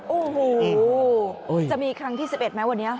โอ้โหจะมีครั้งที่๑๑ไหมวันนี้